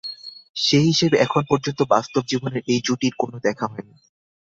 সে হিসেবে এখন পর্যন্ত বাস্তব জীবনের এই জুটির কোনো দেখা হয়নি।